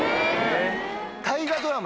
大河ドラマ